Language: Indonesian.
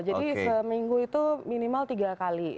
jadi seminggu itu minimal tiga kali